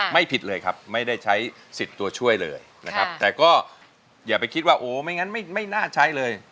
ไม่ผิดเลยครับไม่ได้ใช้สิทธิ์ตัวช่วยเลยนะครับแต่ก็อย่าไปคิดว่าโอ้ไม่งั้นไม่น่าใช้เลย